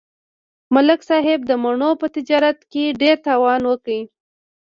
ملک صاحب د مڼو په تجارت کې ډېر تاوان وکړ.